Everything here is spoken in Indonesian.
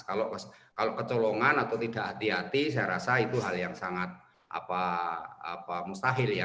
kalau kecolongan atau tidak hati hati saya rasa itu hal yang sangat mustahil ya